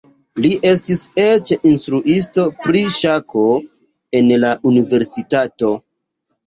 Li estis eĉ instruisto pri ŝako en la universitato.